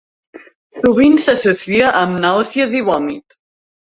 Sovint s'associa amb nàusees i vòmits.